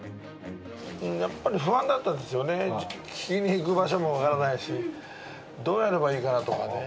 やっぱり不安だったですよね、聞きに行く場所も分からないし、どうやればいいかなと。